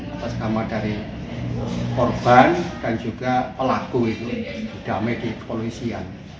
atas kama dari korban dan juga pelaku itu sudah medis polisian